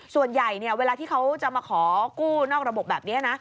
ส่วนใหญ่เวลาที่เขาจะมาขอกู้นอกระบบแบบนี้นะ